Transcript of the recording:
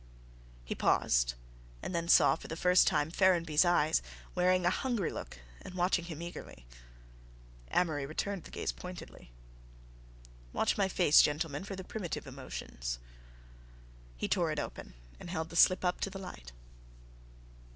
He paused, and then saw for the first time Ferrenby's eyes, wearing a hungry look and watching him eagerly. Amory returned the gaze pointedly. "Watch my face, gentlemen, for the primitive emotions." He tore it open and held the slip up to the light.